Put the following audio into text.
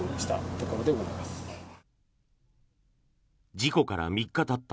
事故から３日たった